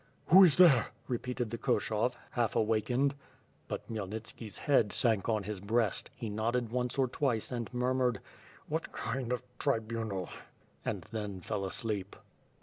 "Who is there?" repeated the Koshov, half awakened. But Khmyelnitski's head sank on his breast, he nodded once or twice and murmured: "What kind of tribunal?" and then fell asleep.